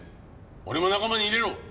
俺も仲間に入れろ！